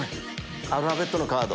アルファベットのカード。